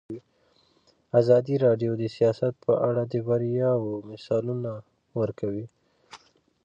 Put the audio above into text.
ازادي راډیو د سیاست په اړه د بریاوو مثالونه ورکړي.